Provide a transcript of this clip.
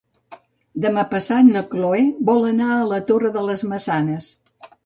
Demà passat na Cloè vol anar a la Torre de les Maçanes.